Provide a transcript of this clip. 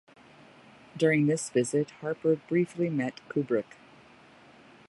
During this visit, Harper briefly met Kubrick.